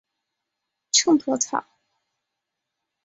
秤砣草